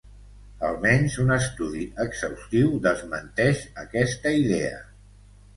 Almenys un estudi exhaustiu desmenteix aquesta idea.